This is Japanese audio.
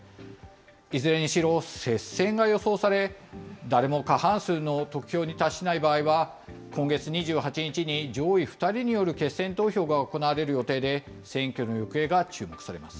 いずれにしろ接戦が予想され、誰も過半数の得票に達しない場合は、今月２８日に上位２人による決選投票が行われる予定で、選挙の行